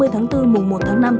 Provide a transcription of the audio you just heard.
ba mươi tháng bốn mùng một tháng năm